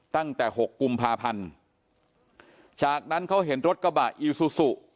ตั้งแต่หกกุมภาพันธ์จากนั้นเขาเห็นรถกระบะอีซูซู